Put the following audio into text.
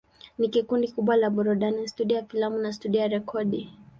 Ni kundi kubwa la burudani, studio ya filamu na studio ya rekodi.